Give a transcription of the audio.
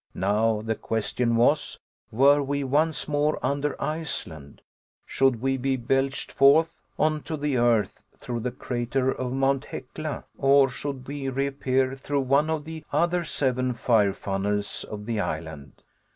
Now the question was, were we once more under Iceland should we be belched forth on to the earth through the crater of Mount Hecla, or should we reappear through one of the other seven fire funnels of the island?